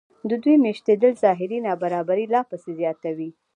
د دوی مېشتېدل ظاهري نابرابري لا پسې زیاتوي